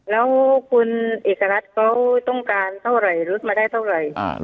แล้วคุณเอกรัฐเขาต้องการเท่าไหร่ลดมาได้เท่าไหร่